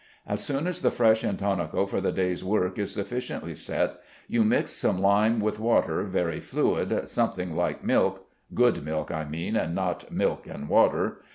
As soon as the fresh intonaco for the day's work is sufficiently set, you mix some lime with water very fluid, something like milk (good milk, I mean, and not milk and water).